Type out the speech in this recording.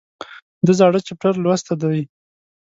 د زاړه چپټر لوسته دي